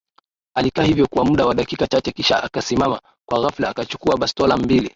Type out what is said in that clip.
Alikaa hivyo kwa muda wa dakika chache kisha akasimama kwa ghafla akachukua bastola mbili